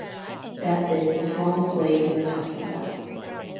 That’s it, the small employees you are talking about.